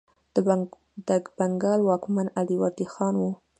د بنګال واکمن علي وردي خان و.